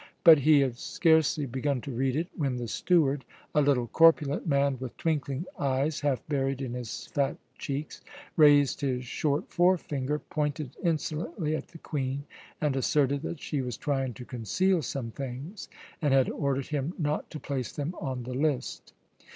But he had scarcely begun to read it when the steward, a little corpulent man with twinkling eyes half buried in his fat cheeks, raised his short forefinger, pointed insolently at the Queen, and asserted that she was trying to conceal some things, and had ordered him not to place them on the list.